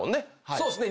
そうっすね。